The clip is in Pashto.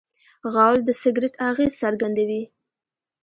غول د سګرټ اغېز څرګندوي.